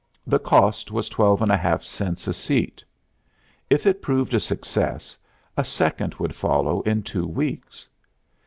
The cost was twelve and a half cents a seat. If it proved a success, a second would follow in two weeks.